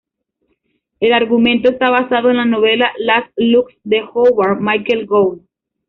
El argumento está basado en la novela 'Last Looks' de Howard Michael Gould.